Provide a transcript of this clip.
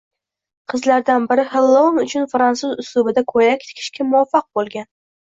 Qizlardan biri Xellouin uchun fransuz uslubida ko‘ylak tikishga muvaffaq bo‘lgan